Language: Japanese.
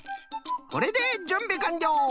これでじゅんびかんりょう！